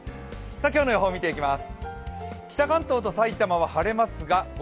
今日の予報見ておきます。